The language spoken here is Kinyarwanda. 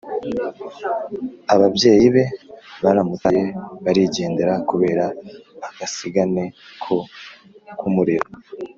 Ababyeyi be baramutaye barigendera kubera agasigane ko kumurera